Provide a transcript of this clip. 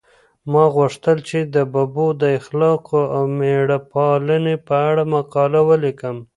ما غوښتل چې د ببو د اخلاقو او مېړه پالنې په اړه مقاله ولیکم.